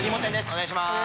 お願いします